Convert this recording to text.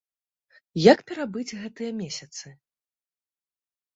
Як перабыць гэтыя месяцы?